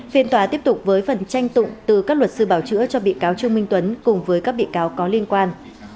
phiên tòa tiếp tục với phần tranh tụng từ các luật sư bảo chữa cho bị cáo trương minh tuấn cùng với các bị cáo có liên quan